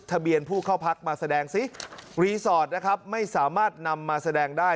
ทะเบียนผู้เข้าพักมาแสดงสิรีสอร์ทไม่สามารถนำมาแสดงได้